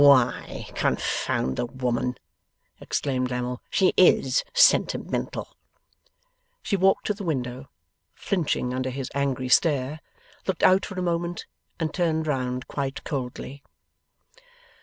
'Why, confound the woman,' exclaimed Lammle, 'she IS sentimental! She walked to the window, flinching under his angry stare, looked out for a moment, and turned round quite coldly.